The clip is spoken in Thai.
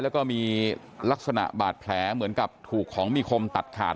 แล้วก็มีลักษณะบาดแผลเหมือนกับถูกของมีคมตัดขาด